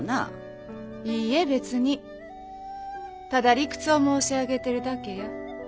いいえ別にただ理屈を申し上げてるだけや。